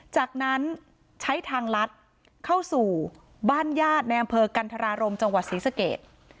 จากนั้นใช้ทางลัดเข้าสู่บ้านญาติในอำเภอกันธรารมจังหวัดศรีสเกต